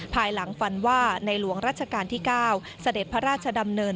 ภายหลังฝันว่าในหลวงราชการที่๙เสด็จพระราชดำเนิน